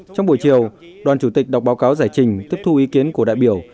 trong buổi chiều đoàn chủ tịch đọc báo cáo giải trình tiếp thu ý kiến của đại biểu